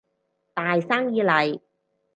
大生意嚟